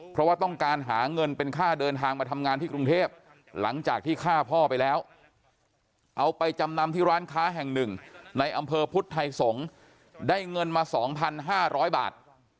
เพราะว่าต้องการหาเงินเป็นค่าเดินทางมาทำงานที่กรุงเทพหลังจากที่ฆ่าพ่อไปแล้วเอาไปจำนำที่ร้านค้าแห่งหนึ่งในอำเภอพุทธไทยสงฆ์ได้เงินมา๒๕๐๐บาท